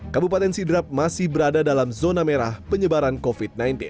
kabupaten sidrap masih berada dalam zona merah penyebaran covid sembilan belas